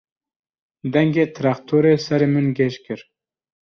Dengê trextorê serê min gêj kir.